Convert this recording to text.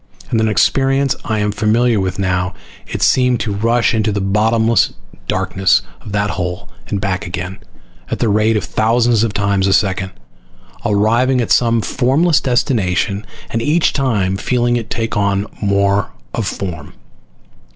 And an experience I am familiar with now I seemed to rush into the bottomless darkness of that hole and back again, at the rate of thousands of times a second, arriving at some formless destination and each time feeling it take on more of form.